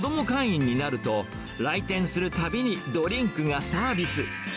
会員になると、来店するたびにドリンクがサービス。